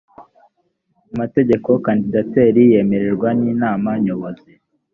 mu mategeko kandidatire ye yemerwa n inama nyobozi